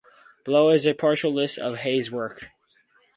Below is a partial list of Hay's work.